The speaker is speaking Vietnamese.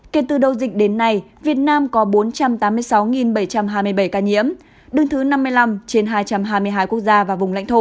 kể từ đầu dịch đến nay việt nam có bốn trăm tám mươi sáu bảy trăm hai mươi bảy ca nhiễm đứng thứ năm mươi năm trên hai trăm hai mươi hai quốc gia và vùng lãnh thổ